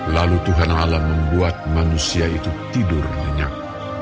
lalu tuhan alam membuat manusia itu tidur nyenyak